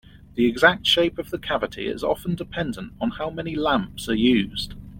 The exact shape of the cavity is often dependent on how many lamps are used.